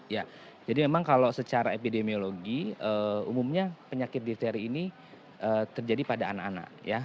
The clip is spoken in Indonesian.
ya jadi memang kalau secara epidemiologi umumnya penyakit difteri ini terjadi pada anak anak ya